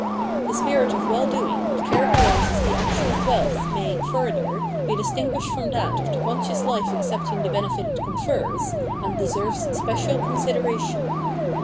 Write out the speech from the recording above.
The spirit of well doing that characterises the action of wealth may, further, be distinguished from that of the conscious hfe accepting the benefit it confers, and deserves special consideration.